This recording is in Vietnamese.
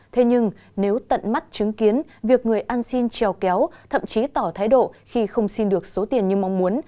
thế nhưng nếu tận mắt chứng kiến việc người ăn xin trèo kéo thậm chí tỏ thái độ khi không xin được số tiền như mong muốn